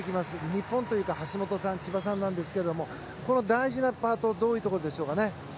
日本というか橋本さん千葉さんなんですけどこの大事なパートどういうところでしょうか？